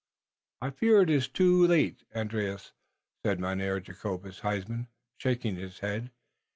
"I fear it iss too late, Andrius," said Mynheer Jacobus Huysman, shaking his head.